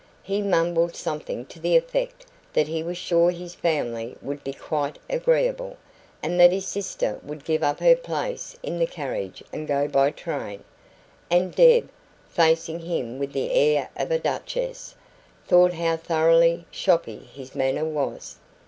He mumbled something to the effect that he was sure his family would be "quite agreeable", and that his sister would give up her place in the carriage and go by train; and Deb, facing him with the air of a duchess, thought how thoroughly "shoppy" his manner was.